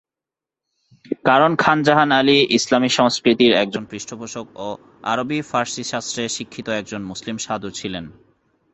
কারণ খান জাহান আলী ইসলামি সংস্কৃতির একজন পৃষ্ঠপোষক ও আরবি ফারসি শাস্ত্রে শিক্ষিত একজন মুসলিম সাধু ছিলেন।